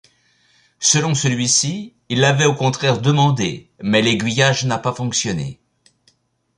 Selon celui-ci, il l'avait au contraire demandé, mais l'aiguillage n'a pas fonctionné.